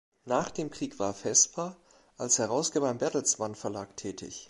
Nach dem Krieg war Vesper als Herausgeber im Bertelsmann-Verlag tätig.